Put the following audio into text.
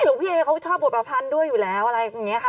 หลวงพี่เอเขาชอบบทประพันธ์ด้วยอยู่แล้วอะไรอย่างนี้ค่ะ